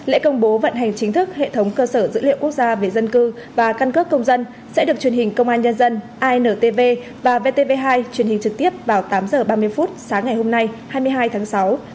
lễ công bố vận hành chính thức hệ thống cơ sở dữ liệu quốc gia về dân cư và căn cước công dân sẽ được truyền hình công an nhân dân intv và vtv hai truyền hình trực tiếp vào tám h ba mươi phút sáng ngày hôm nay hai mươi hai tháng sáu